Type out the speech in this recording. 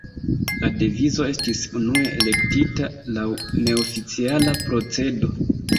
La devizo estis unue elektita laŭ neoficiala procedo.